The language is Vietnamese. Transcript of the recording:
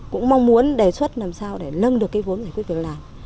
cũng mong muốn đề xuất làm sao để lưng được vốn giải quyết việc làm